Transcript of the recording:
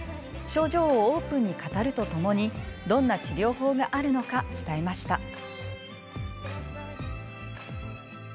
症状をオープンに語るとともにどんな治療法があるのか伝えました。